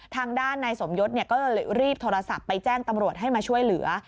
ทางด้านนายสมยศก็เลยรีบโทรศัพท์ไปแจ้งตำรวจให้มาช่วยเหลือ